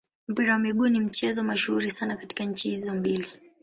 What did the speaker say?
Mpira wa miguu ni mchezo mashuhuri sana katika nchi hizo mbili.